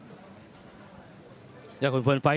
ตอนนี้ก็จะมีต่อหนึ่งต่อมาก่อ